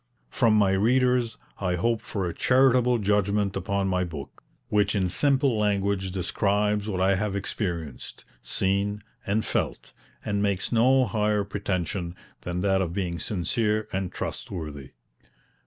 From my readers I hope for a charitable judgment upon my book, which in simple language describes what I have experienced, seen and felt, and makes no higher pretension than that of being sincere and trustworthy.